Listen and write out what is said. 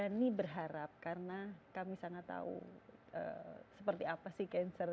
kami berharap karena kami sangat tahu seperti apa sih cancer